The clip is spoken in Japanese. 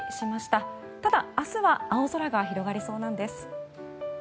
ただ、明日は青空が広がりそうなんです。